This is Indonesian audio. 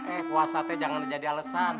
eh puasa teh jangan jadi alesan